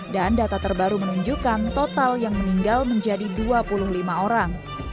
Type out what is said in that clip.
dan data terbaru menunjukkan total yang meninggal menjadi dua puluh lima orang